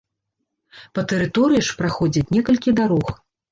Па тэрыторыі ж праходзяць некалькі дарог.